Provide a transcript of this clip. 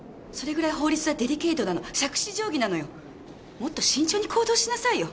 もっと慎重に行動しなさいよ！